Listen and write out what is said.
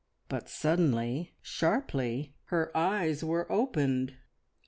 But suddenly, sharply, her eyes were opened.